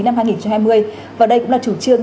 năm hai nghìn hai mươi và đây cũng là chủ trương